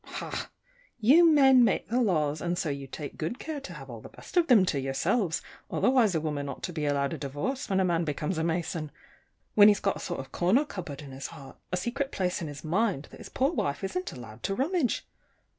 Ha! you men make the laws, and so you take good care to have all the best of them to yourselves; otherwise a woman ought to be allowed a divorce when a man becomes a Mason when he's got a sort of corner cupboard in his heart, a secret place in his mind, that his poor wife isn't allowed to rummage.